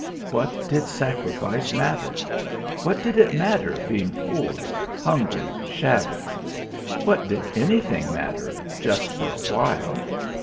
What did sacrifice matter? What did it matter being poor, hungry, shabby? What did anything matter just for a while?